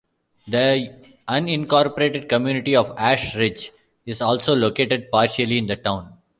The unincorporated community of Ash Ridge is also located partially in the town.